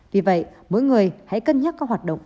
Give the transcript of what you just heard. vì vậy mỗi người hãy cân nhắc các hoạt động